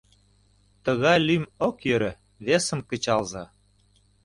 — Тыгай лӱм ок йӧрӧ, весым кычалза!